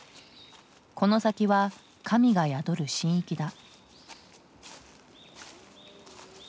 この先は神が宿る神域だ。